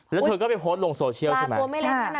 แล้วเธอก็ไปโพสต์ลงโซเชียลใช่ไหม